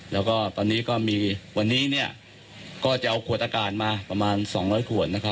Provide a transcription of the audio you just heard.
แล้วก็ตอนนี้ก็มีวันนี้ก็จะเอาขวดอากาศมาประมาณ๒๐๐ขวด